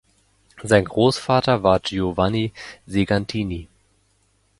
Sein Grossvater war Giovanni Segantini.